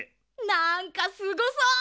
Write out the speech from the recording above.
なんかすごそう！